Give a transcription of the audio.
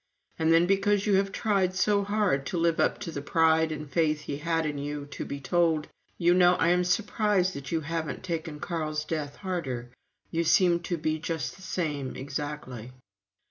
And then, because you have tried so hard to live up to the pride and faith he had in you, to be told: "You know I am surprised that you haven't taken Carl's death harder. You seem to be just the same exactly."